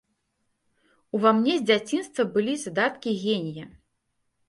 Ува мне з дзяцінства былі задаткі генія.